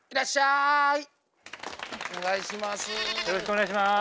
お願いします。